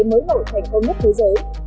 mới nổi thành không nhất thế giới